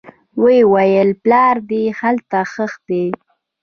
ويې ويل پلار دې هلته ښخ دى.